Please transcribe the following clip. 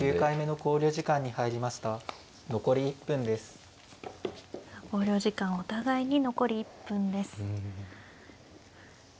考慮時間お互いに残り１分です。